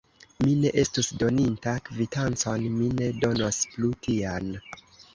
Mi ne estus doninta kvitancon: mi ne donos plu tian.